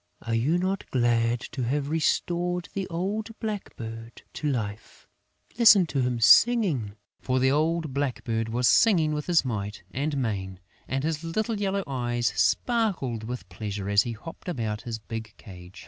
Are you not glad to have restored the old blackbird to life? Listen to him singing!" For the old blackbird was singing with might and main; and his little yellow eyes sparkled with pleasure as he hopped about his big cage.